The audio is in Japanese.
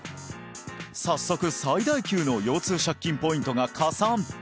早速最大級の腰痛借金ポイントが加算